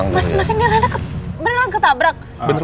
mas ini rana beneran ketabrak